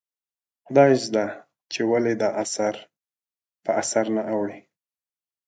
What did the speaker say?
خدایزده چې ولې دا اثر په اثر نه اوړي ؟